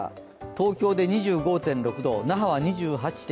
東京で２５．６度、那覇は２８．１度。